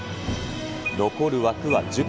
残る枠は１０校。